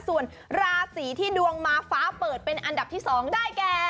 ส่วนราศีที่ดวงมาฟ้าเปิดเป็นอันดับที่๒ได้แก่